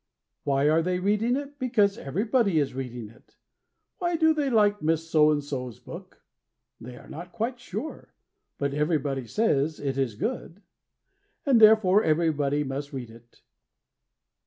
Why are they reading it? Because Everybody is reading it. Do they like Miss So and So's book? They are not quite sure. But Everybody says it is good, And therefore Everybody must read it.